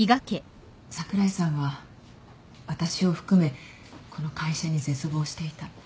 櫻井さんは私を含めこの会社に絶望していた。